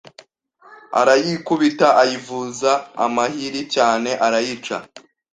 arayikubita ayivuza amahiri cyane arayica